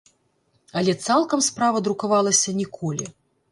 Але цалкам справа друкавалася ніколі.